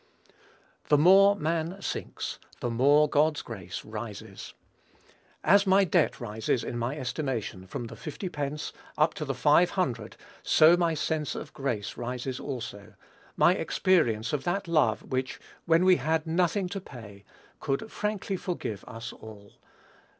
The more man sinks, the more God's grace rises. As my debt rises in my estimation from the fifty pence up to the five hundred, so my sense of grace rises also, my experience of that love which, when we "had nothing to pay," could "frankly forgive" us all.